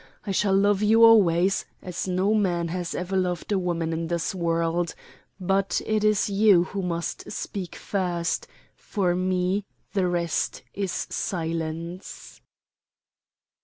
I shall love you always, as no man has ever loved a woman in this world, but it is you who must speak first; for me, the rest is silence."